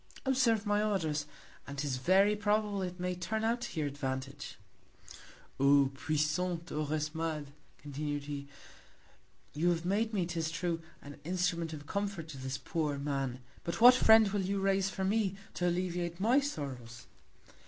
Observe my Orders, and 'tis very probable it may turn out to your Advantage. O puissant Orosmades, continu'd he, you have made me, 'tis true, an Instrument of Comfort to this poor Man; but what Friend will you raise for me, to alleviate my Sorrows?